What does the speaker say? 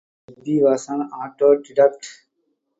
Webbe was an autodidact.